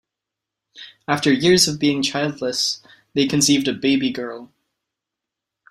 After years of being childless, they conceived a baby girl.